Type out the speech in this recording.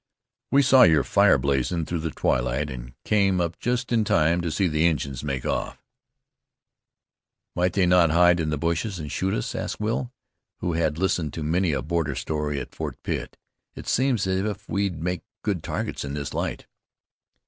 "We saw your fire blazin' through the twilight, an' came up just in time to see the Injuns make off." "Might they not hide in the bushes and shoot us?" asked Will, who had listened to many a border story at Fort Pitt. "It seems as if we'd make good targets in this light."